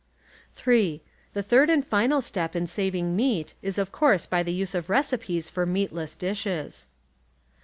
(3) The third and final step in saving meat is of course by the use of recipes for meatless dishes.